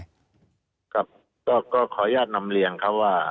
ครับก็ขออนุญาตนำเรียนครับว่า